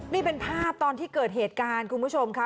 นี่เป็นภาพตอนที่เกิดเหตุการณ์คุณผู้ชมค่ะ